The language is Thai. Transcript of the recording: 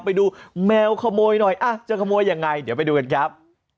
ไปดูแมวขโมยหน่อยจะขโมยยังไงเดี๋ยวไปดูกันครับ